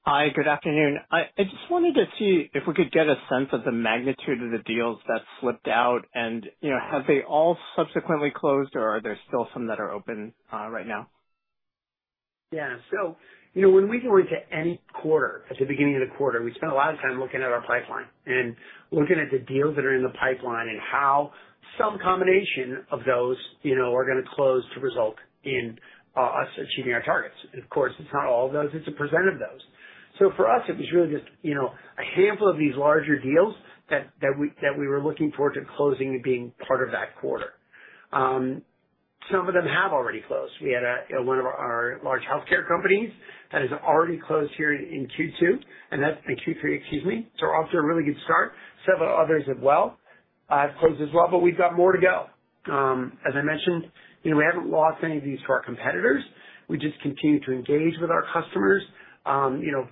Hi. Good afternoon. I just wanted to see if we could get a sense of the magnitude of the deals that slipped out and, you know, have they all subsequently closed or are there still some that are open, right now? Yeah. You know, when we go into any quarter, at the beginning of the quarter, we spend a lot of time looking at our pipeline and looking at the deals that are in the pipeline and how some combination of those, you know, are gonna close to result in us achieving our targets. Of course, it's not all of those, it's a percent of those. For us, it was really just, you know, a handful of these larger deals that we were looking forward to closing and being part of that quarter. Some of them have already closed. We had one of our large healthcare companies that has already closed here in Q3, excuse me. We're off to a really good start. Several others as well have closed as well, but we've got more to go. As I mentioned, you know, we haven't lost any of these to our competitors. We just continue to engage with our customers, you know,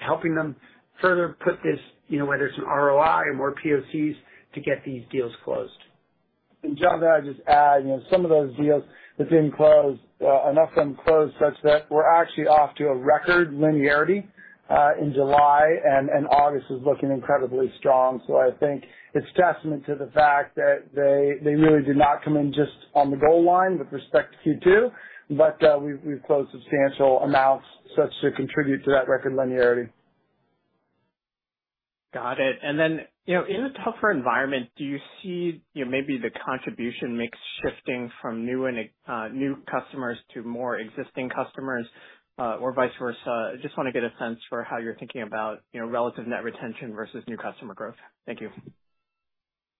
helping them further with this, you know, whether it's an ROI or more POCs, to get these deals closed. John, can I just add, you know, some of those deals that didn't close, enough of them closed such that we're actually off to a record linearity in July, and August is looking incredibly strong. I think it's testament to the fact that they really did not come in just on the goal line with respect to Q2, but we've closed substantial amounts such as to contribute to that record linearity. Got it. You know, in a tougher environment, do you see, you know, maybe the contribution mix shifting from new customers to more existing customers, or vice versa? I just wanna get a sense for how you're thinking about, you know, relative net retention versus new customer growth. Thank you.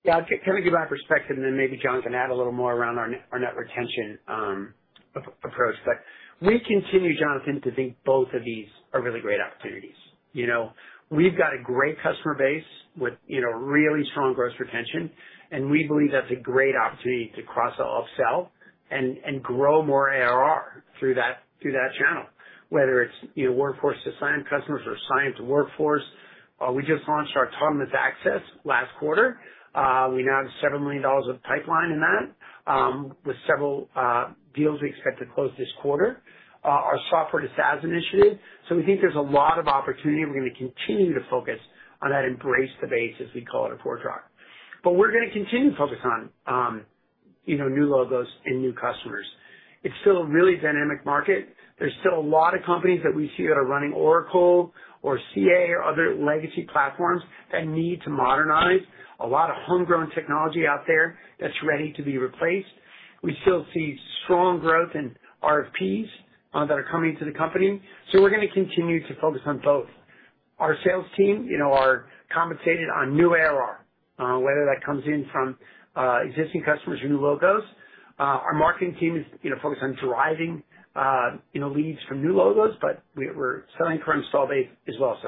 Yeah. Can I give my perspective and then maybe John can add a little more around our net retention approach. We continue, Jonathan, to think both of these are really great opportunities. You know, we've got a great customer base with, you know, really strong gross retention, and we believe that's a great opportunity to cross or upsell and grow more ARR through that channel. Whether it's, you know, Workforce to CIAM customers or CIAM to Workforce. We just launched our Autonomous Access last quarter. We now have $7 million of pipeline in that. With several deals we expect to close this quarter, our software to SaaS initiative. We think there's a lot of opportunity, and we're gonna continue to focus on that embrace the base, as we call it, at ForgeRock. We're gonna continue to focus on, you know, new logos and new customers. It's still a really dynamic market. There's still a lot of companies that we see that are running Oracle or CA or other legacy platforms that need to modernize. A lot of homegrown technology out there that's ready to be replaced. We still see strong growth in RFPs that are coming to the company. We're gonna continue to focus on both. Our sales team, you know, are compensated on new ARR, whether that comes in from existing customers or new logos. Our marketing team is, you know, focused on driving, you know, leads from new logos, but we're selling current install base as well.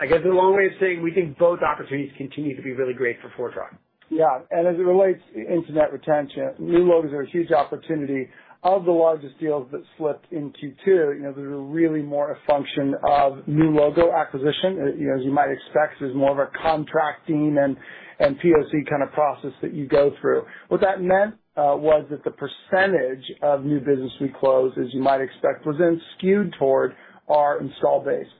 I guess in a long way of saying, we think both opportunities continue to be really great for ForgeRock. Yeah. As it relates into net retention, new logos are a huge opportunity. Of the largest deals that slipped in Q2, you know, they were really more a function of new logo acquisition. You know, as you might expect, it's more of a contracting and POC kind of process that you go through. What that meant was that the percentage of new business we closed, as you might expect, was then skewed toward our install base.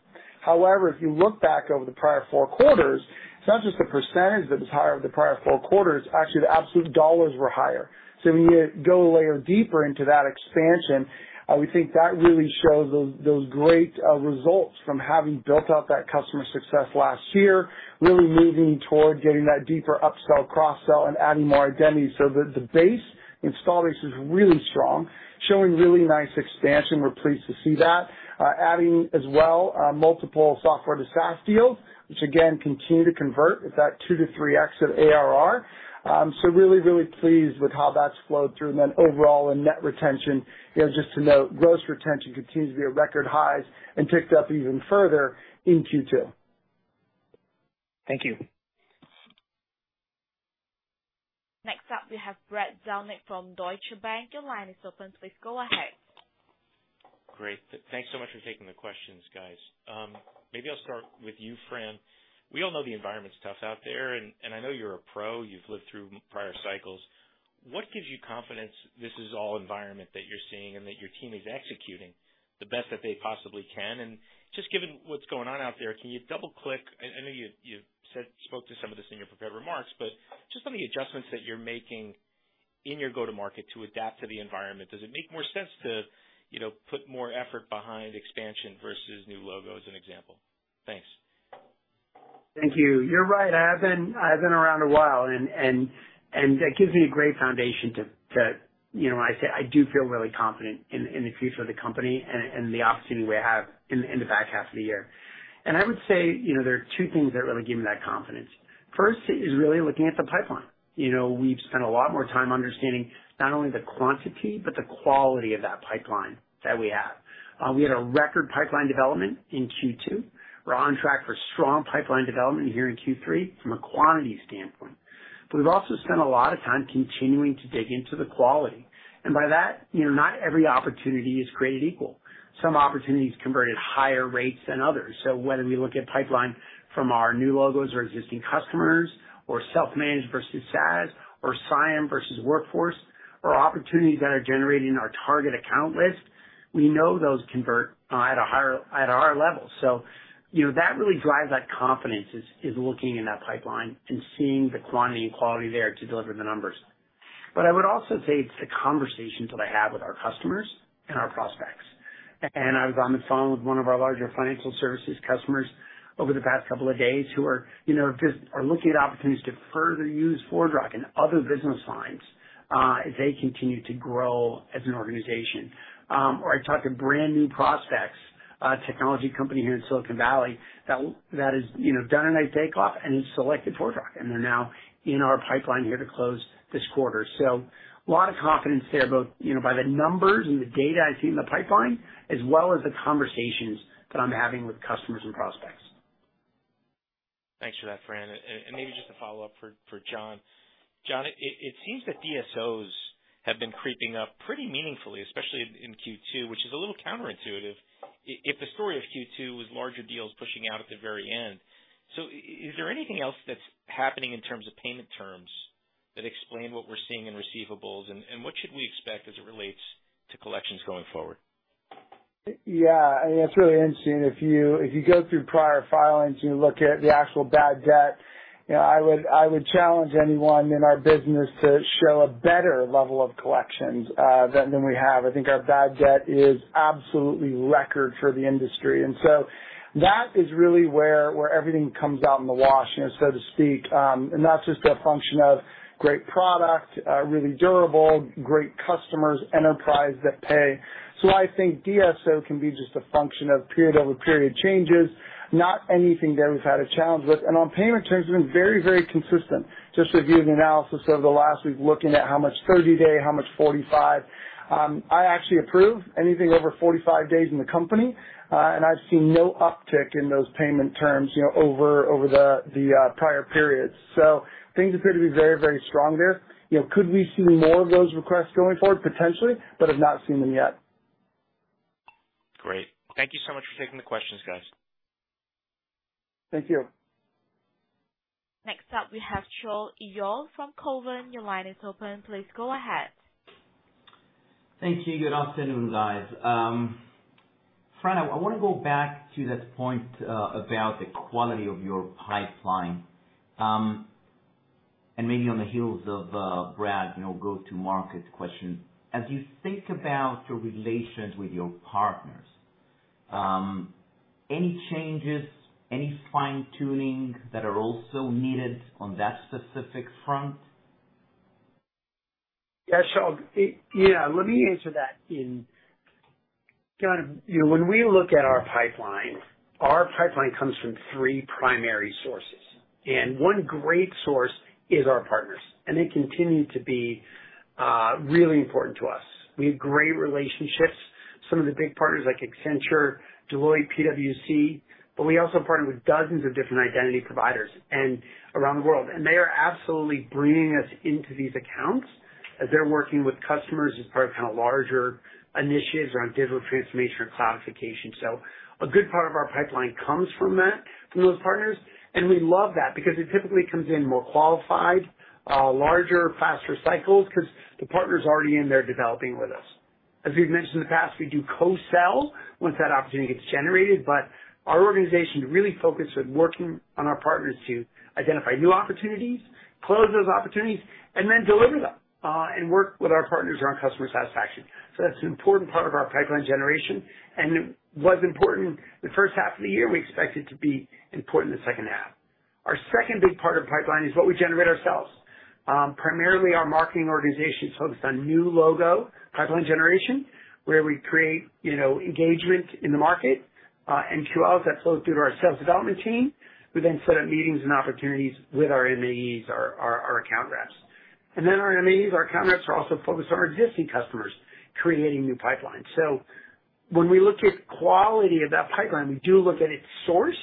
However, if you look back over the prior four quarters, it's not just the percentage that was higher over the prior four quarters, actually, the absolute dollars were higher. When you go a layer deeper into that expansion, we think that really shows those great results from having built out that customer success last year, really moving toward getting that deeper upsell, cross-sell, and adding more identity. The base installed base is really strong, showing really nice expansion. We're pleased to see that. Adding as well multiple software-to-SaaS deals, which again continue to convert with that 2-3x of ARR. Really pleased with how that's flowed through. Then overall in net retention, you know, just to note, gross retention continues to be at record highs and ticked up even further in Q2. Thank you. Next up we have Brad Zelnick from Deutsche Bank. Your line is open. Please go ahead. Great. Thanks so much for taking the questions, guys. Maybe I'll start with you, Fran. We all know the environment's tough out there, and I know you're a pro, you've lived through many prior cycles. What gives you confidence this is the environment that you're seeing and that your team is executing the best that they possibly can? Just given what's going on out there, can you double click? I know you spoke to some of this in your prepared remarks, but just some of the adjustments that you're making in your go-to-market to adapt to the environment. Does it make more sense to, you know, put more effort behind expansion versus new logo, as an example? Thanks. Thank you. You're right. I have been around a while, and that gives me a great foundation to, you know, when I say I do feel really confident in the future of the company and the opportunity we have in the back half of the year. I would say, you know, there are two things that really give me that confidence. First is really looking at the pipeline. You know, we've spent a lot more time understanding not only the quantity, but the quality of that pipeline that we have. We had a record pipeline development in Q2. We're on track for strong pipeline development here in Q3 from a quantity standpoint. We've also spent a lot of time continuing to dig into the quality. By that, you know, not every opportunity is created equal. Some opportunities convert at higher rates than others. Whether we look at pipeline from our new logos or existing customers or self-managed versus SaaS or CIAM versus Workforce or opportunities that are generated in our target account list, we know those convert at a higher, at our level. You know, that really drives that confidence is looking in that pipeline and seeing the quantity and quality there to deliver the numbers. I would also say it's the conversations that I have with our customers and our prospects. I was on the phone with one of our larger financial services customers over the past couple of days who are just are looking at opportunities to further use ForgeRock in other business lines as they continue to grow as an organization. I talk to brand new prospects, a technology company here in Silicon Valley that has, you know, taken off and has selected ForgeRock, and they're now in our pipeline here to close this quarter. A lot of confidence there, both, you know, by the numbers and the data I see in the pipeline, as well as the conversations that I'm having with customers and prospects. Thanks for that, Fran. Maybe just a follow-up for John. John, it seems that DSO has been creeping up pretty meaningfully, especially in Q2, which is a little counterintuitive if the story of Q2 was larger deals pushing out at the very end. Is there anything else that's happening in terms of payment terms that explain what we're seeing in receivables, and what should we expect as it relates to collections going forward? Yeah, it's really interesting. If you go through prior filings and you look at the actual bad debt, you know, I would challenge anyone in our business to show a better level of collections than we have. I think our bad debt is absolutely record for the industry. That is really where everything comes out in the wash, you know, so to speak. That's just a function of great product, really durable, great customers, enterprise that pay. I think DSO can be just a function of period-over-period changes, not anything that we've had a challenge with. On payment terms, we've been very, very consistent. Just reviewing the analysis over the last week, looking at how much 30-days, how much 45. I actually approve anything over 45 days in the company, and I've seen no uptick in those payment terms, you know, over the prior periods. Things appear to be very strong there. You know, could we see more of those requests going forward? Potentially, but have not seen them yet. Great. Thank you so much for taking the questions, guys. Thank you. Next up, we have Shaul Eyal from Cowen. Your line is open. Please go ahead. Thank you. Good afternoon, guys. Fran, I wanna go back to that point about the quality of your pipeline, and maybe on the heels of Brad, you know, go to market question. As you think about your relations with your partners, any changes, any fine-tuning that are also needed on that specific front? Yeah, Shaul. Yeah. Let me answer that in kind of, you know, when we look at our pipeline, our pipeline comes from three primary sources, and one great source is our partners, and they continue to be really important to us. We have great relationships, some of the big partners like Accenture, Deloitte, PwC, but we also partner with dozens of different identity providers around the world. They are absolutely bringing us into these accounts as they're working with customers as part of kinda larger initiatives around digital transformation or cloudification. A good part of our pipeline comes from that, from those partners, and we love that because it typically comes in more qualified, larger, faster cycles 'cause the partner's already in there developing with us. As we've mentioned in the past, we do co-sell once that opportunity gets generated, but our organization is really focused on working with our partners to identify new opportunities, close those opportunities, and then deliver them, and work with our partners around customer satisfaction. That's an important part of our pipeline generation, and it was important the first half of the year. We expect it to be important in the second half. Our second big part of the pipeline is what we generate ourselves. Primarily our marketing organization is focused on new logo pipeline generation, where we create, you know, engagement in the market, and MQL that flows through to our sales development team, who then set up meetings and opportunities with our AEs, our account reps. Our AEs, our account reps, are also focused on our existing customers, creating new pipelines. When we look at quality of that pipeline, we do look at its source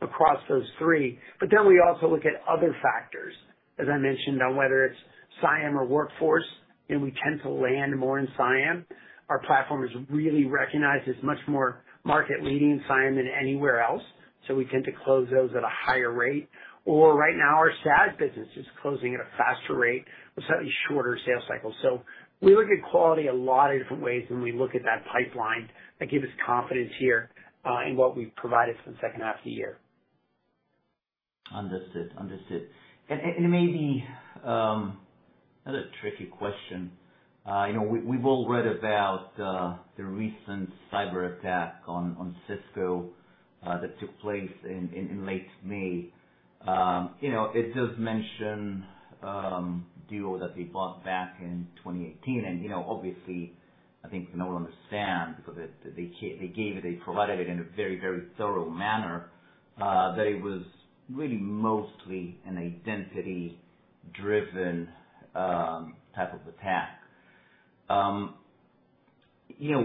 across those three, but then we also look at other factors, as I mentioned, on whether it's CIAM or Workforce, and we tend to land more in CIAM. Our platform is really recognized as much more market-leading in CIAM than anywhere else, so we tend to close those at a higher rate. Right now, our SaaS business is closing at a faster rate with slightly shorter sales cycles. We look at quality a lot of different ways when we look at that pipeline that give us confidence here in what we've provided for the second half of the year. Understood. Maybe another tricky question. You know, we've all read about the recent cyberattack on Cisco that took place in late May. You know, it does mention Duo that they bought back in 2018. You know, obviously, I think we can all understand because they gave it, they provided it in a very thorough manner that it was really mostly an identity-driven type of attack. You know,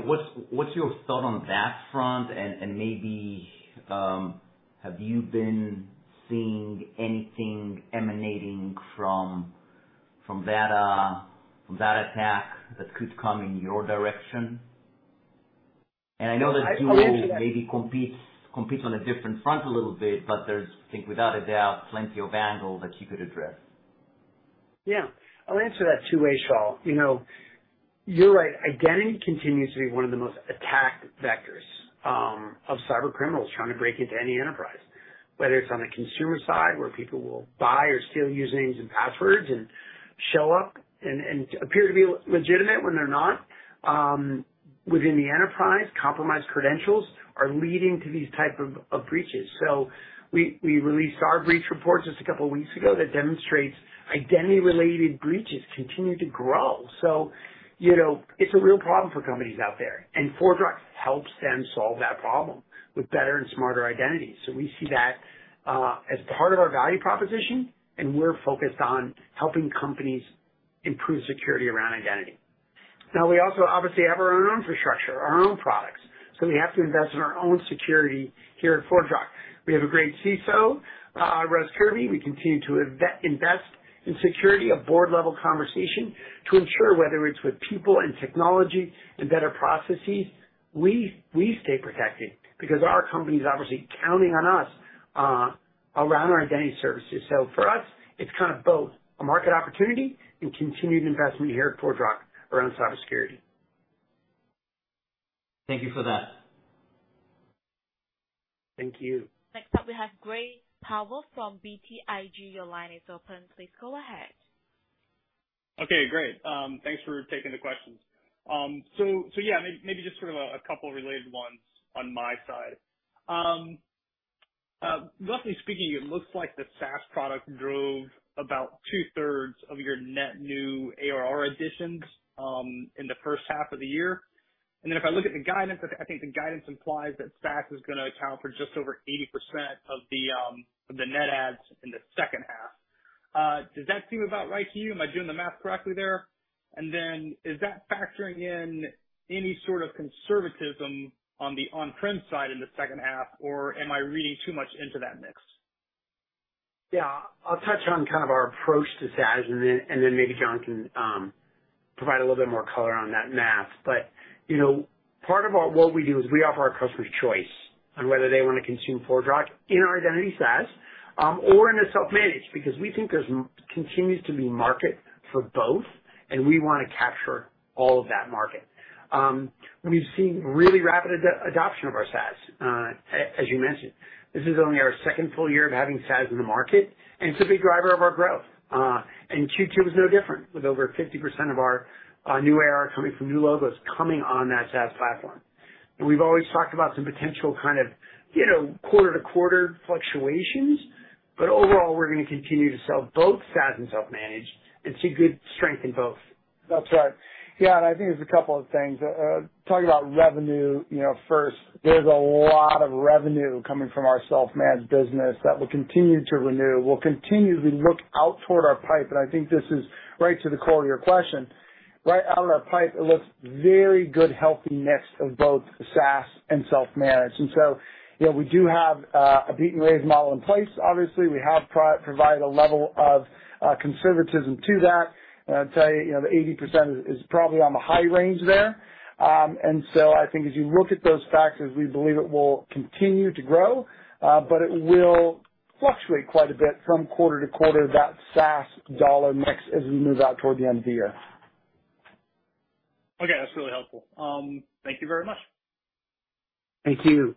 what's your thought on that front? Maybe have you been seeing anything emanating from that attack that could come in your direction? I know that. I'll answer that. Duo maybe competes on a different front a little bit, but there's, I think, without a doubt, plenty of angles that you could address. Yeah. I'll answer that two ways, Shaul. You know, you're right. Identity continues to be one of the most attacked vectors of cybercriminals trying to break into any enterprise. Whether it's on the consumer side, where people will buy or steal usernames and passwords and show up and appear to be legitimate when they're not, within the enterprise, compromised credentials are leading to these type of breaches. We released our breach report just a couple weeks ago that demonstrates identity-related breaches continue to grow. You know, it's a real problem for companies out there, and ForgeRock helps them solve that problem with better and smarter identities. We see that as part of our value proposition, and we're focused on helping companies improve security around identity. Now, we also obviously have our own infrastructure, our own products. We have to invest in our own security here at ForgeRock. We have a great CISO, Russ Kirby. We continue to invest in security at board level conversation to ensure whether it's with people and technology and better processes, we stay protected because our company's obviously counting on us around our identity services. For us, it's kind of both a market opportunity and continued investment here at ForgeRock around cybersecurity. Thank you for that. Thank you. Next up we have Gray Powell from BTIG. Your line is open. Please go ahead. Okay, great. Thanks for taking the questions. Yeah, maybe just sort of a couple of related ones on my side. Roughly speaking, it looks like the SaaS product drove about 2/3 of your net new ARR additions in the first half of the year. If I look at the guidance, I think the guidance implies that SaaS is gonna account for just over 80% of the net adds in the second half. Does that seem about right to you? Am I doing the math correctly there? Is that factoring in any sort of conservatism on the on-prem side in the second half, or am I reading too much into that mix? Yeah, I'll touch on kind of our approach to SaaS and then maybe John can provide a little bit more color on that math. You know, part of what we do is we offer our customers choice on whether they wanna consume ForgeRock in our identity SaaS, or in a self-managed, because we think there continues to be market for both, and we wanna capture all of that market. We've seen really rapid adoption of our SaaS, as you mentioned. This is only our second full year of having SaaS in the market, and it's a big driver of our growth. Q2 was no different with over 50% of our new ARR coming from new logos coming on that SaaS platform. We've always talked about some potential kind of, you know, quarter-to-quarter fluctuations, but overall, we're gonna continue to sell both SaaS and self-managed and see good strength in both. That's right. Yeah, I think there's a couple of things. Talking about revenue, you know, first, there's a lot of revenue coming from our self-managed business that will continue to renew. We'll continually look out toward our pipe, and I think this is right to the core of your question. Right out of our pipe, it looks very good, healthy mix of both SaaS and self-managed. You know, we do have a beat and raise model in place. Obviously, we have provided a level of conservatism to that. I'd tell you know, the 80% is probably on the high range there. I think as you look at those factors, we believe it will continue to grow, but it will fluctuate quite a bit from quarter to quarter, that SaaS dollar mix as we move out toward the end of the year. Okay, that's really helpful. Thank you very much. Thank you.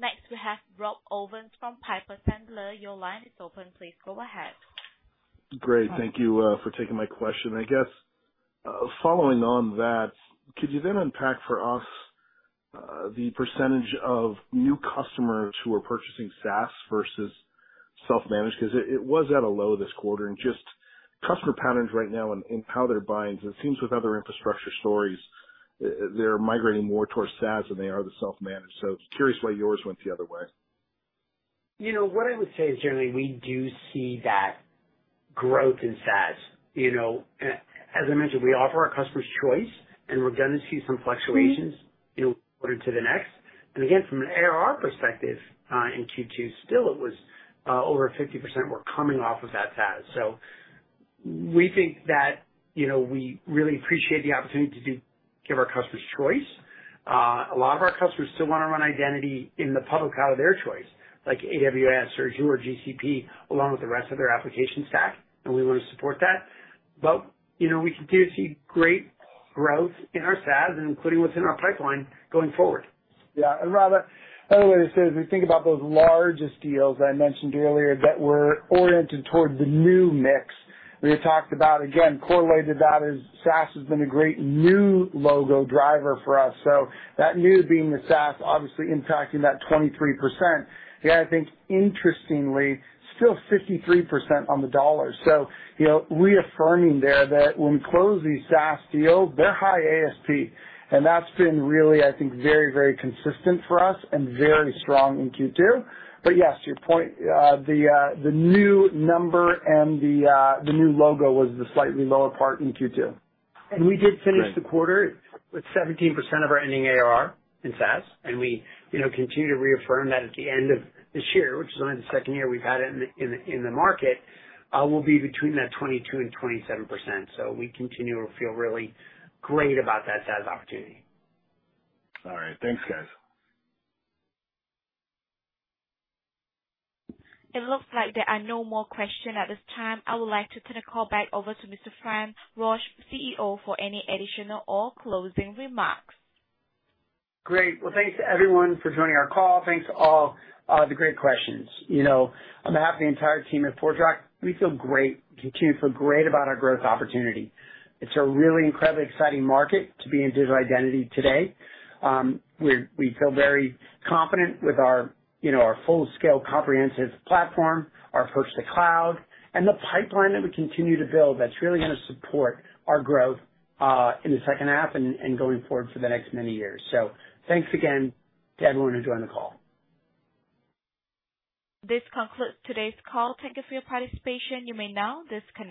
Next, we have Rob Owens from Piper Sandler. Your line is open. Please go ahead. Great. Thank you for taking my question. I guess, following on that, could you then unpack for us the percentage of new customers who are purchasing SaaS versus self-managed? Because it was at a low this quarter, and just customer patterns right now and how they're buying, it seems with other infrastructure stories, they're migrating more towards SaaS than they are the self-managed. So curious why yours went the other way? You know, what I would say is generally we do see that growth in SaaS, you know. As I mentioned, we offer our customers choice, and we're gonna see some fluctuations from quarter to quarter. Again, from an ARR perspective, in Q2 it was still over 50% coming off of that SaaS. We think that, you know, we really appreciate the opportunity to give our customers choice. A lot of our customers still wanna run identity in the public cloud of their choice, like AWS or Azure or GCP, along with the rest of their application stack, and we wanna support that. You know, we continue to see great growth in our SaaS, including what's in our pipeline going forward. Yeah. Rob, another way to say, as we think about those largest deals I mentioned earlier that were oriented toward the new mix we had talked about, again, correlated to that is SaaS has been a great new logo driver for us. That new being the SaaS obviously impacting that 23%. Yeah, I think interestingly still 53% on the dollar. You know, reaffirming there that when we close these SaaS deals, they're high ASP, and that's been really, I think, very, very consistent for us and very strong in Q2. Yes, to your point, the new number and the new logo was the slightly lower part in Q2. We did finish the quarter with 17% of our ending ARR in SaaS, and we, you know, continue to reaffirm that at the end of this year, which is only the second year we've had it in the market, will be between that 22%-27%. We continue to feel really great about that SaaS opportunity. All right. Thanks, guys. It looks like there are no more questions at this time. I would like to turn the call back over to Mr. Fran Rosch, CEO, for any additional or closing remarks. Great. Well, thanks to everyone for joining our call. Thanks to all, the great questions. You know, on behalf of the entire team at ForgeRock, we feel great, we continue to feel great about our growth opportunity. It's a really incredibly exciting market to be in digital identity today. We feel very confident with our, you know, our full-scale comprehensive platform, our approach to cloud, and the pipeline that we continue to build that's really gonna support our growth, in the second half and going forward for the next many years. Thanks again to everyone who joined the call. This concludes today's call. Thank you for your participation. You may now disconnect.